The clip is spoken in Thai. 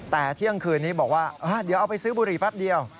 แต่เที่ยงคืนนี้บอกว่าเดี๋ยวเอาไปซื้อบุหรี่แป๊บเดียว